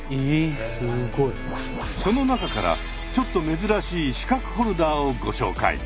その中からちょっと珍しい資格ホルダーをご紹介。